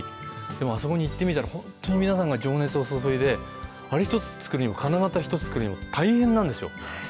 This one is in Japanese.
でもあそこに行ってみたら、本当に皆さんが情熱を注いで、あれ１つ作るにも、金型１つ作るのにも、大変なんですよ。